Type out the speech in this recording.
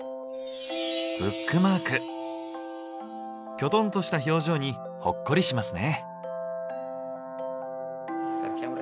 キョトンとした表情にほっこりしますね。